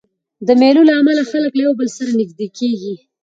د مېلو له امله خلک له یو بل سره نږدې کېږي.